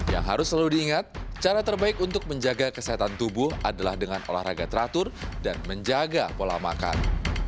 yang harus selalu diingat cara terbaik untuk menjaga kesehatan tubuh adalah dengan olahraga teratur dan menjaga pola makan